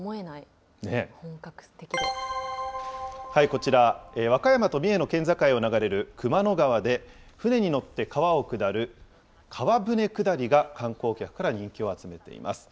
こちら、和歌山と三重の県境を流れる熊野川で、舟に乗って川を下る川舟下りが観光客から人気を集めています。